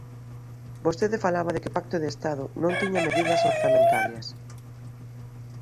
Vostede falaba de que o Pacto de Estado non tiña medidas orzamentarias.